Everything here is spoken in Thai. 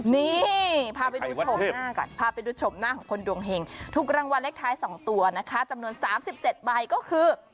นี่พาไปดูชมหน้าก่อนพาไปดูชมหน้าของคนดวงเห็งถูกรางวัลเลขท้าย๒ตัวนะคะจำนวน๓๗ใบก็คือ